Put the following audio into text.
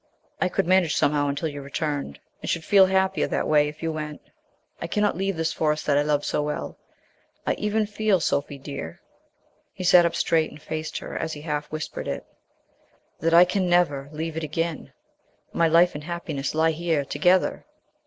I could manage somehow until you returned, and should feel happier that way if you went. I cannot leave this Forest that I love so well. I even feel, Sophie dear" he sat up straight and faced her as he half whispered it "that I can never leave it again. My life and happiness lie here together."